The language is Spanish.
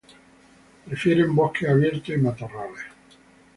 Prefiere bosques abiertos y matorrales.